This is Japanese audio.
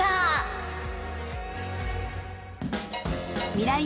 ［ミライ☆